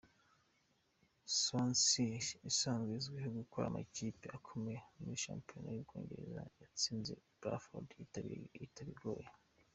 Swansea isanzwe izwiho kugora amakipe akomeye muri shampiyona y’Ubwongereza, yatsinze Bradford bitayigoye.